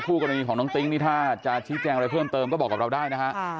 กรณีของน้องติ๊งนี่ถ้าจะชี้แจงอะไรเพิ่มเติมก็บอกกับเราได้นะฮะ